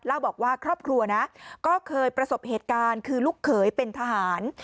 เล่าบอกว่าครอบครัวนะก็เคยประสบเหตุการณ์คือลูกเขยเป็นทหาร